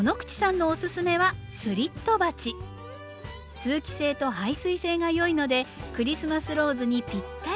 通気性と排水性が良いのでクリスマスローズにぴったり。